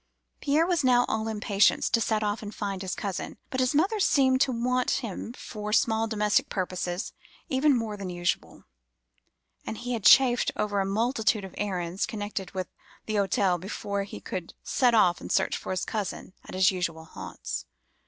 "Pierre was now all impatience to set off and find his cousin, But his mother seemed to want him for small domestic purposes even more than usual; and he had chafed over a multitude of errands connected with the Hotel before he could set off and search for his cousin at his usual haunts.